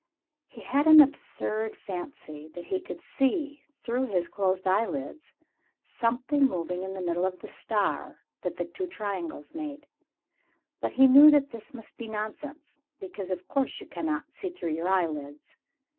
He had an absurd fancy that he could see, through his closed eyelids, something moving in the middle of the star that the two triangles made. But he knew that this must be nonsense, because, of course, you cannot see through your eyelids.